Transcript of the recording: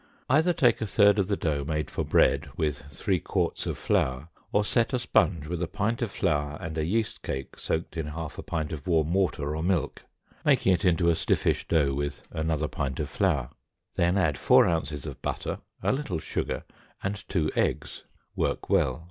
Either take a third of the dough made for bread with three quarts of flour, or set a sponge with a pint of flour and a yeast cake soaked in half a pint of warm water or milk, making it into a stiffish dough with another pint of flour; then add four ounces of butter, a little sugar, and two eggs; work well.